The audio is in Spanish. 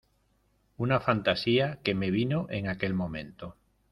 una fantasía que me vino en aquel momento.